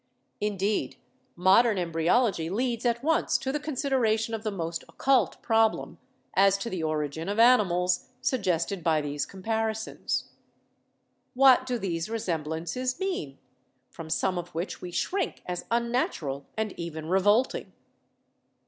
"Indeed, modern Embryology leads at once to the con sideration of the most occult problem, as to the origin of animals, suggested by these comparisons. What do these resemblances mean, from some of which we shrink as unnatural and even revolting?